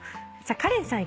カレンさん